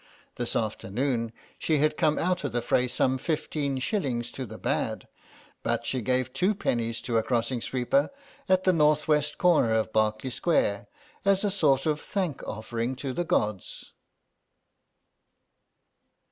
This afternoon she had come out of the fray some fifteen shillings to the bad, but she gave two pennies to a crossing sweeper at the north west corner of Berkeley Square as a sort of thank offering to the Gods.